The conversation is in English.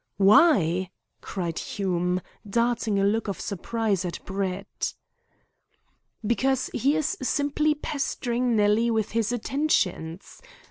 "Why?" cried Hume, darting a look of surprise at Brett. "Because he is simply pestering Nellie with his attentions.